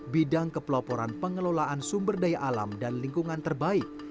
bidang kepeloporan pengelolaan sumber daya alam dan lingkungan terbaik